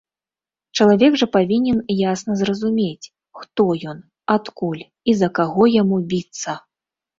Чалавек жа павінен ясна зразумець, хто ён, адкуль і за каго яму біцца!